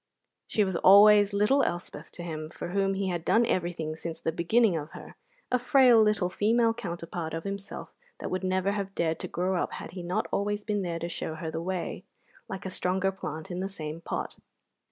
She was always little Elspeth to him, for whom he had done everything since the beginning of her, a frail little female counterpart of himself that would never have dared to grow up had he not always been there to show her the way, like a stronger plant in the same pot.